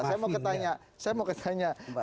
saya mau ketanya